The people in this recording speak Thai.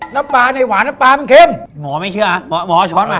แล้วปลาในหวานน้ำปลามันเค็มหมอไม่เชื่อหมอหมอช้อนมา